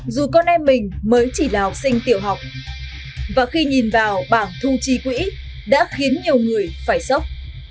dù con em mình mới chỉ là học sinh tiểu học và khi nhìn vào bảng thu chi quỹ đã khiến nhiều người phải sốc